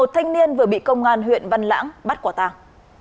một mươi một thanh niên vừa bị công an huyện văn lãng bắt quả tăng